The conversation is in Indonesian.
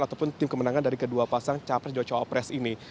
ataupun tim kemenangan dari kedua pasang capres dan cawapres ini